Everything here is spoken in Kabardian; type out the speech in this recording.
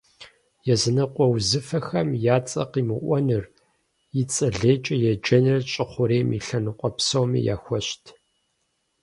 Языныкъуэ узыфэхэм я цӏэ къимыӏуэныр, цӏэ лейкӏэ еджэныр щӏы хъурейм и лъэныкъуэ псоми яхуэщт.